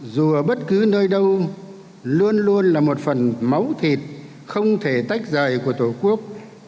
dù ở bất cứ nơi đâu luôn luôn là một phần máu thịt không thể tách rời của tổ quốc